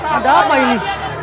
ada apa ini